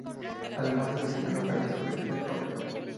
Además, ha diseñado varias colecciones de ropa.